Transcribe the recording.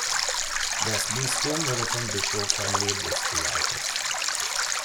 Das Bistum wurde vom Bischof von Lebus geleitet.